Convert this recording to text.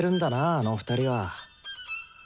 あの２人は。